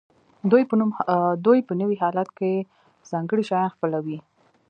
دوی په نوي حالت کې ځانګړي شیان خپلوي.